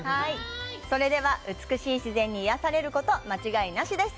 それでは美しい自然に癒やされること間違いなしです。